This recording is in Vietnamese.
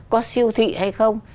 có siêu thị hay không